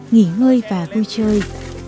nghỉ ngơi và vui chơi